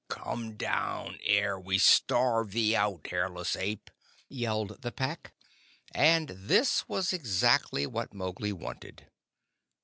"Come down ere we starve thee out, hairless ape!" yelled the Pack, and this was exactly what Mowgli wanted.